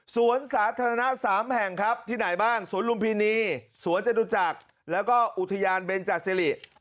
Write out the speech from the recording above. สวนสาธารณะ๓แห่งครับที่ไหนบ้างสวนลุมพินีสวนจตุจักรแล้วก็อุทยานเบนจาสิริ